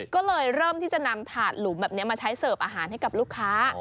ก็เลยเริ่มที่จะนำถาดหลุมแบบนี้มาใช้เสิร์ฟอาหารให้กับลูกค้า